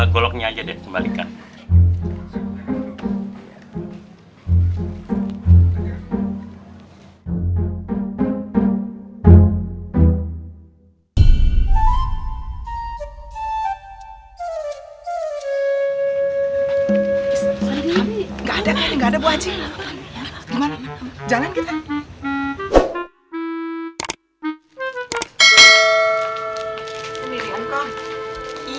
goloknya aja deh kembalikan